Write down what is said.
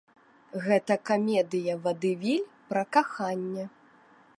Гэта камедыя-вадэвіль пра каханне.